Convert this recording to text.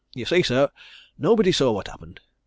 You see, sir nobody saw what happened.